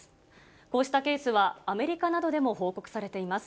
こうしたケースは、アメリカなどでもほうこくされています